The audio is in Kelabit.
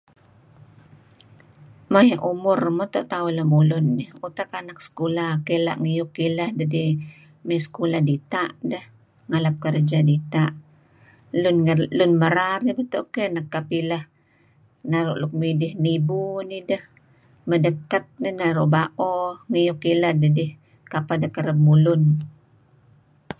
Er I think the last twenty thirty years pekaa' neh nuk pakai deh technology ngilad na'em mula' tu'uh mudeng ngi lem lati' teh narih kinih neto' err mula' neh nuk err nuk advanced ih lah. Maya' ineh neto' lemulun dih kinih.